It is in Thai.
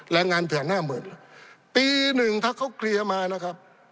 แรงงานแผน๕๐๐๐๐ปีหนึ่งถ้าเขาเคลียร์มานะครับ